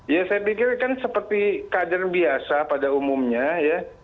ya saya pikir kan seperti kader biasa pada umumnya ya